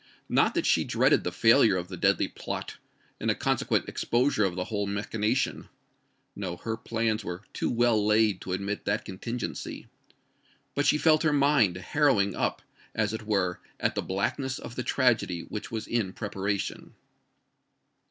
Not that she dreaded the failure of the deadly plot, and a consequent exposure of the whole machination:—no—her plans were too well laid to admit that contingency. But she felt her mind harrowing up, as it were, at the blackness of the tragedy which was in preparation.